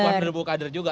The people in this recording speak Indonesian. puluhan ribu kader juga